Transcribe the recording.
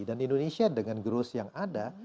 dan indonesia dengan growth yang ada